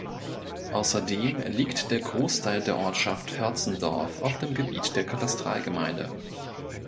Außerdem liegt der Großteil der Ortschaft Hörzendorf auf dem Gebiet der Katastralgemeinde.